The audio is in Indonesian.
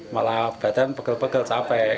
malah badan pegel pegel capek